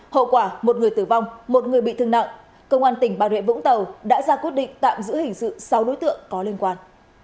hậu quả một người tử vong một người bị thương nặng công an tỉnh bà rịa vũng tàu đã ra quyết định tạm giữ hình sự sáu đối tượng có liên quan